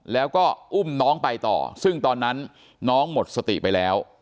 แล้วก็อุ้มน้องไปต่อซึ่งตอนนั้นน้องหมดสติไปแล้ว